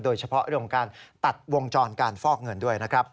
โดยเฉพาะเรื่องของการตัดวงจรการฟอกเงินด้วยนะครับ